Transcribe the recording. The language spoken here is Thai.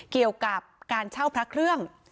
เกี่ยวกับการเช่าพระเครื่อง